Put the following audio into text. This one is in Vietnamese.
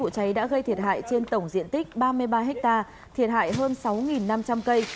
vụ cháy đã gây thiệt hại trên tổng diện tích ba mươi ba hectare thiệt hại hơn sáu năm trăm linh cây